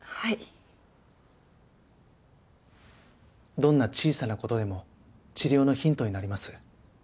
どんな小さな事でも治療のヒントになります。